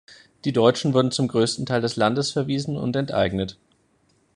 Die Deutschen wurden zum größten Teil des Landes verwiesen und enteignet.